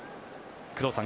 工藤さん